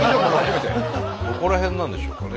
どこら辺なんでしょうかね？